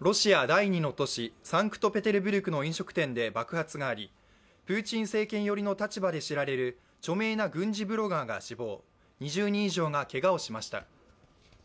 ロシア第２の都市サンクトペテルブルクの飲食店で爆発があり、プーチン政権寄りの立場で知られる、著名な軍事ブロガーが死亡、２０人以上がけがをしました。